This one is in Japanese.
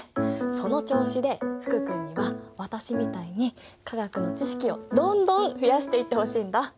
その調子で福君には私みたいに化学の知識をどんどん増やしていってほしいんだ！